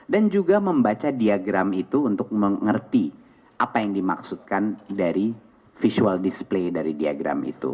dan juga membaca diagram itu untuk mengerti apa yang dimaksudkan dari visual display dari diagram itu